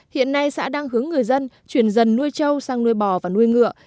hiện nay xã đang hướng người dân chuyển dân nuôi châu sang nuôi bò và nuôi ngựa